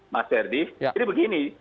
mas ferry jadi begini